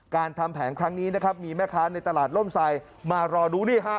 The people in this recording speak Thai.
ทำแผงครั้งนี้นะครับมีแม่ค้าในตลาดร่มไซดมารอดูนี่ฮะ